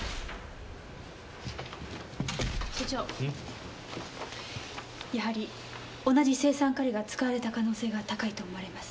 所長やはり同じ青酸カリが使われた可能性が高いと思われます。